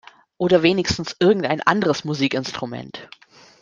Oder wenigstens irgendein anderes Musikinstrument.